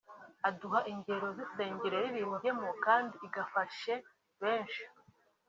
aduha ingero z’insengero yayiririmbyemo kandi igafashe benshi